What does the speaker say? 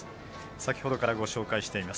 先ほどからご紹介しています。